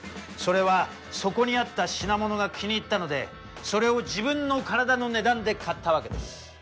それはそこにあった品物が気に入ったのでそれを自分の体の値段で買ったわけです。